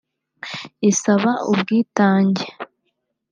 isaba ubwitange